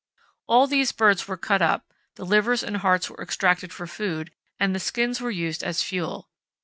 All these birds were cut up, the livers and hearts were extracted for food, and the skins were used as fuel.